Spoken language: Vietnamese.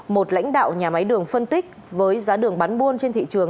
một lãnh đạo nhà máy đường phân tích với giá đường bán buôn trên thị trường